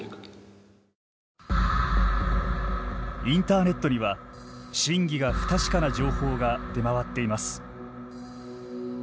インターネットには真偽が不確かな情報が出回っています。